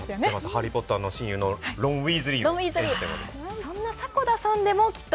ハリー・ポッターの親友のロン・ウィーズリーで出させていただいてます